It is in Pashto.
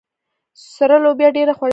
سره لوبیا ډیره خوړل کیږي.